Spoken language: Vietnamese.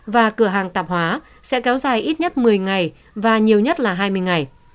và cửa hàng tạp hóa sẽ kéo dài ít nhất một mươi ngày và nhiều nhất là hai mươi ngày